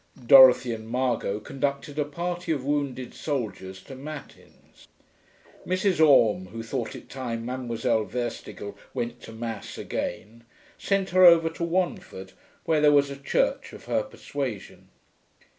Dorothy and Margot conducted a party of wounded soldiers to matins. Mrs. Orme, who thought it time Mademoiselle Verstigel went to Mass again, sent her over to Wonford, where there was a church of her persuasion.